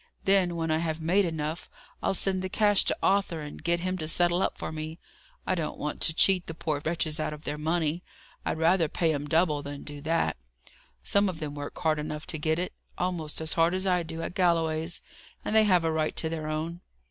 Then, when I have made enough, I'll send the cash to Arthur, and get him to settle up for me. I don't want to cheat the poor wretches out of their money; I'd rather pay 'em double than do that. Some of them work hard enough to get it: almost as hard as I do at Galloway's; and they have a right to their own.